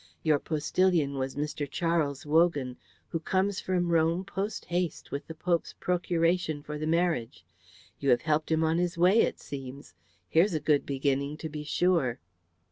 "Your postillion was Mr. Charles Wogan, who comes from Rome post haste with the Pope's procuration for the marriage. You have helped him on his way, it seems. Here's a good beginning, to be sure."